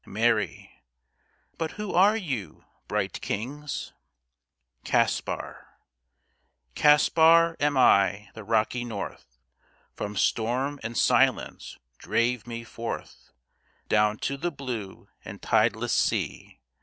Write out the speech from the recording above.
MARY But who are you, bright kings? CASPAR Caspar am I: the rocky North From storm and silence drave me forth Down to the blue and tideless sea.